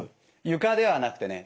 床ではなくてね